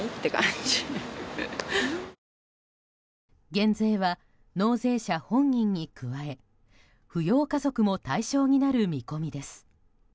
減税は納税者本人に加え扶養家族も対象になる見込みです。